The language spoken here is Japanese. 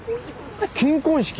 金婚式？